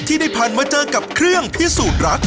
ที่ได้ผ่านมาเจอกับเครื่องพิสูจน์รัก